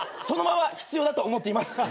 その間は必要だと思っています。